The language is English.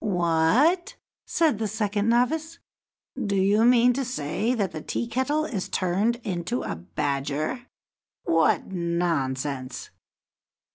"What!" said the second novice. "Do you mean to say that the Tea kettle is turned into a badger? What nonsense!"